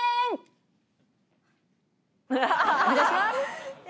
お願いします！